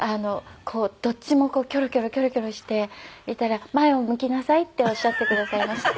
どっちもキョロキョロキョロキョロしていたら「前を向きなさい」っておっしゃってくださいました。